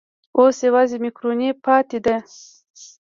اوس یوازې مېکاروني پاتې ده.